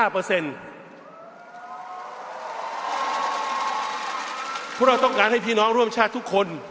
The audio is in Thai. เพราะเราต้องการให้พี่น้องร่วมชาติทุกคน